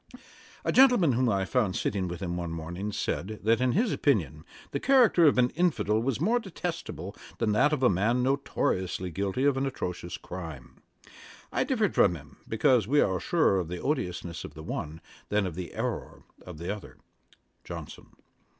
' A gentleman, whom I found sitting with him one morning, said, that in his opinion the character of an infidel was more detestable than that of a man notoriously guilty of an atrocious crime. I differed from him, because we are surer of the odiousness of the one, than of the errour of the other. JOHNSON.